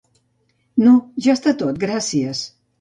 No, ja està tot, gràcies.